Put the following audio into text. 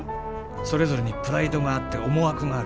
それぞれにプライドがあって思惑がある。